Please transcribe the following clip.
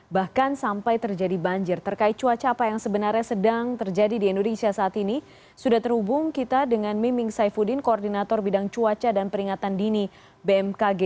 bahkan sampai terjadi banjir terkait cuaca apa yang sebenarnya sedang terjadi di indonesia saat ini sudah terhubung kita dengan miming saifuddin koordinator bidang cuaca dan peringatan dini bmkg